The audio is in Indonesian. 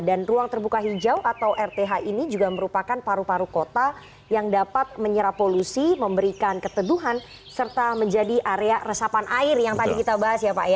dan ruang terbuka hijau atau rth ini juga merupakan paru paru kota yang dapat menyerap polusi memberikan keteguhan serta menjadi area resapan air yang tadi kita bahas ya pak ya